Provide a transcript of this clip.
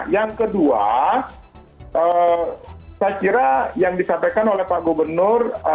yang kedua saya kira yang disampaikan oleh pak gubernur